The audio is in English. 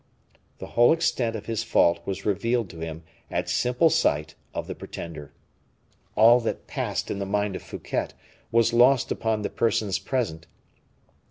The whole extent of his fault was revealed to him at simple sight of the pretender. All that passed in the mind of Fouquet was lost upon the persons present.